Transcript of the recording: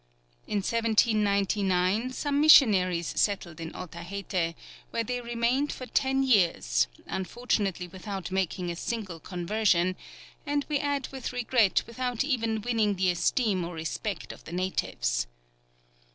In 1799 some missionaries settled in Otaheite, where they remained for ten years, unfortunately without making a single conversion, and we add with regret without even winning the esteem or respect of the natives.